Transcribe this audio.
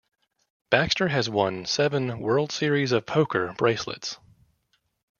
Baxter has won seven World Series of Poker bracelets.